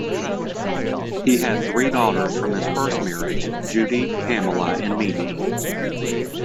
He had three daughters from his first marriage: Judy, Pamela, and Mimi.